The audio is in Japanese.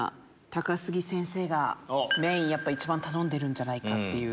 高杉先生がメイン一番頼んでるんじゃないかって。